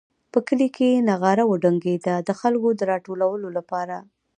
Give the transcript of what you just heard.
په کلي کې نغاره وډنګېده د خلکو د راټولولو لپاره.